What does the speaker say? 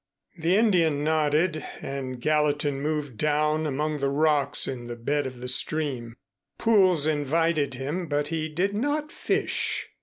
The Indian nodded and Gallatin moved down among the rocks in the bed of the stream. Pools invited him, but he did not fish.